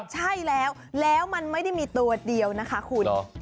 ใช่แล้วแล้วมันไม่ได้มีตัวเดียวนะคะคุณ